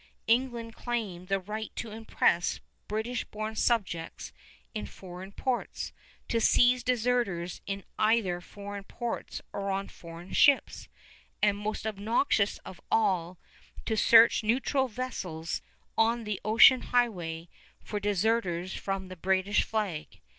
England claimed the right to impress British born subjects in foreign ports, to seize deserters in either foreign ports or on foreign ships, and, most obnoxious of all, to search neutral vessels on the ocean highway for deserters from the British flag.